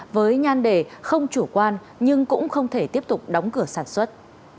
với nhan đề không chủ quan nhưng cũng không thể tiếp tục đóng cửa sản xuất